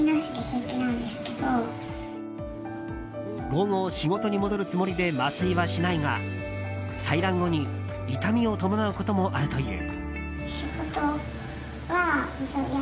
午後、仕事に戻るつもりで麻酔はしないが採卵後に痛みを伴うこともあるという。